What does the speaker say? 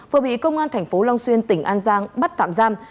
vừa bị công an tp long xuyên tỉnh an giang bắt tạm giam